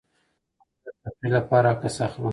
زه د تفریح لپاره عکس اخلم.